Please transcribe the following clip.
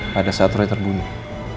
pada saat roy terbunuh